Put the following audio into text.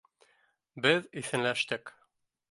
Беҙ иҫәнләштек.